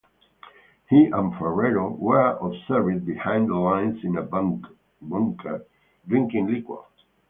He and Ferrero were observed behind the lines in a bunker, drinking liquor.